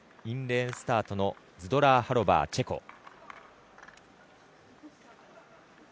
インレーンスタートのズドラーハロバー、チェコ。